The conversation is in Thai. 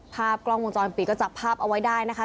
ภาพกล้องวงจรปิดก็จับภาพเอาไว้ได้นะคะ